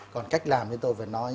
còn cách làm thì tôi phải nói